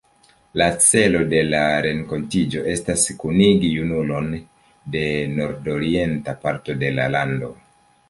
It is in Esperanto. La celo de la renkontiĝo estas kunigi junulon de nordorienta parto de la lando.